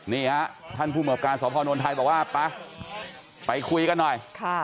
นี่ฮะท่านภูมิกับการสพนไทยบอกว่าไปไปคุยกันหน่อย